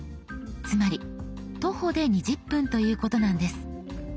つまり徒歩で２０分ということなんです。